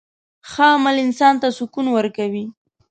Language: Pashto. ښه عمل انسان ته سکون ورکوي.